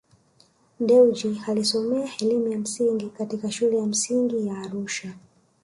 Dewji Alisomea elimu ya msingi katika shule ya msingi ya Arusha